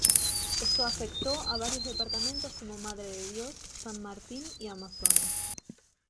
Esto afectó a varios departamentos como Madre de Dios, San Martín y Amazonas.